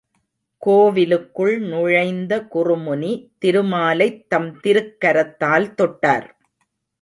கோவிலுக்குள் நுழைந்த குறுமுனி திருமாலைத் தம் திருக்கரத்தால் தொட்டார்.